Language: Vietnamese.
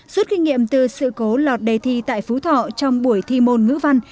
suốt kinh nghiệm từ sự cố lọt đề thi tại phú thọ trong buổi thi môn ngữ văn